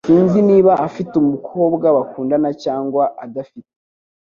Sinzi niba afite umukobwa bakundana cyangwa adafite.